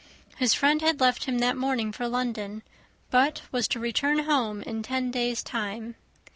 His friend had left him that morning for London, but was to return home in ten days' time.